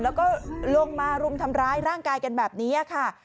แล้วก็ลงมารุมทำร้ายร่างกายกันแบบนี้ค่ะ